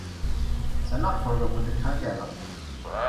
Sein Nachfolger wurde Karl Gerland.